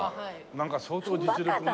なんか相当実力が。